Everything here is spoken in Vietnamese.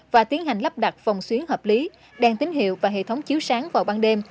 và tiến hành lắp đặt phòng xuyến hợp lý đèn tín hiệu và hệ thống chiếu sáng vào ban đêm